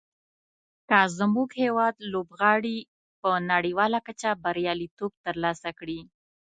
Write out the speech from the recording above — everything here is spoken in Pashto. که زموږ هېواد لوبغاړي په نړیواله کچه بریالیتوب تر لاسه کړي.